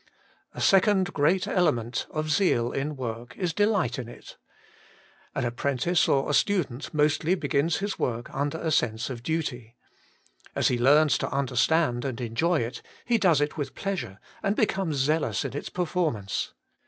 A second great element of zeal in work is delight in it. An apprentice or a student mostly begins his work under a sense of duty. As he learns to understand and enjoy it, he does it with pleasure, and be comes zealous in its performance.